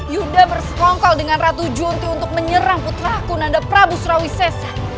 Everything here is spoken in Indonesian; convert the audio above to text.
yunda bersetongkol dengan ratu junti untuk menyerang putra kunanda prabu surawisese